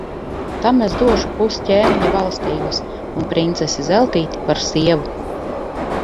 Tam es došu pus ķēniņa valstības un princesi Zeltīti par sievu.